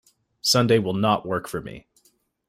Sunday will not work for me.